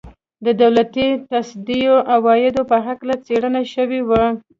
د دولتي تصدیو عوایدو په هکله څېړنه شوې وه.